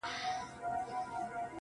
درد زغمي.